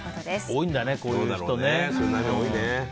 多いんだね、こういう人ね。